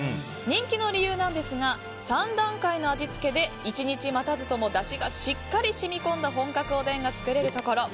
人気の理由ですが３段階の味付けで１日待たずともだしがしっかり染み込んだ本格おでんが作れること。